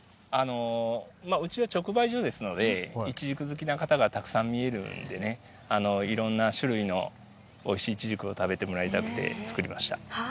うちは直売所ですので、いちじく好きな方がたくさんみえるんでね、いろんな種類のおいしいいちじくを食べてもらいたくて作り